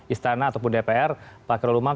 istana ataupun dpr pak kiro lumam